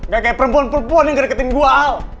gak kayak perempuan perempuan yang ngereketin gua